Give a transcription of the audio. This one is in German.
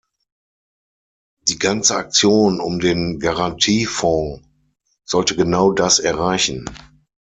Die ganze Aktion um den Garantiefonds sollte genau das erreichen.